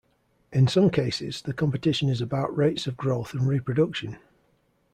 In some cases, the competition is about rates of growth and reproduction.